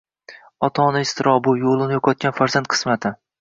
Ota-ona iztirobi, yoʻlini yoʻqotgan farzand qismati...